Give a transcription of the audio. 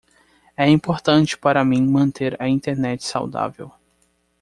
É importante para mim manter a Internet saudável.